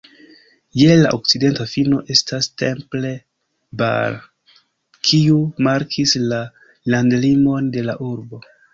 Je la okcidenta fino estas Temple Bar, kiu markis la landlimon de la urbo.